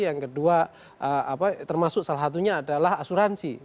yang kedua termasuk salah satunya adalah asuransi